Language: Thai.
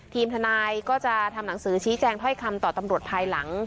ทีมทนายก็จะทำหนังสือชี้แจงถ้อยคำต่อตำรวจภายหลัง